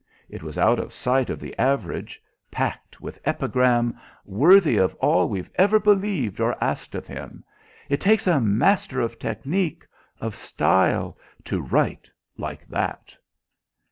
"It was out of sight of the average packed with epigram; worthy of all we've ever believed or asked of him. It takes a master of technique, of style, to write like that."